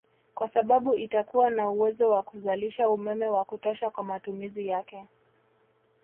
Kwa sababu itakuwa na uwezo wa kuzalisha umeme wa kutosha kwa matumizi yake